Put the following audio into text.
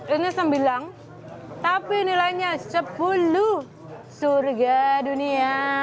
ini sembilan tapi nilainya sepuluh surga dunia